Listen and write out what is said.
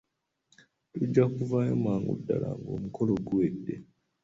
Tujja kuvaayo amangu ddala ng'omukolo guwedde.